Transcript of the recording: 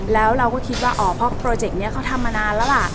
แล้วเราก็คิดว่าอ๋อเพราะโปรเจกต์นี้เขาทำมานานแล้วล่ะ